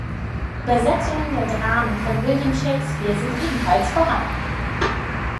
Übersetzungen der Dramen von William Shakespeare sind ebenfalls vorhanden.